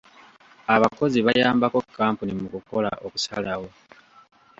Abakozi bayambako kampuni mu kukola okusalawo.